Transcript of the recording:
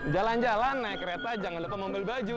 jalan jalan naik kereta jangan lupa membeli baju